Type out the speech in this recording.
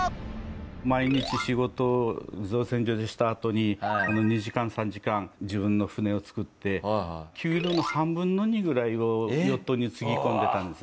毎日仕事を造船所でしたあとに２時間３時間自分の船を作って給料の３分の２ぐらいをヨットにつぎ込んでたんですね。